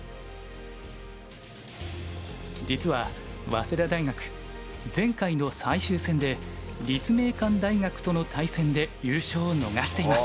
実は早稲田大学前回の最終戦で立命館大学との対戦で優勝を逃しています。